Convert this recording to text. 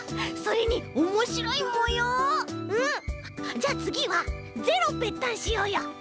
じゃあつぎは「０」をペッタンしようよ！